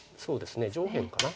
上辺かな？